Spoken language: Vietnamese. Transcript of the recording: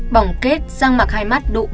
bỏng kết răng mặc hai mắt độ ba mươi bốn